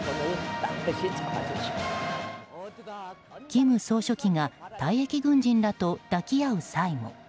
金総書記が退役軍人らと抱き合う際も。